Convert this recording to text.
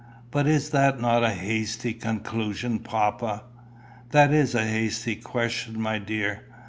"But is not that a hasty conclusion, papa?" "That is a hasty question, my dear.